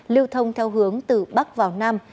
lưu thông theo hướng từ bắc vào nam